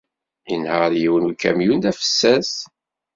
Inehheṛ yiwen n ukamyun d afessas.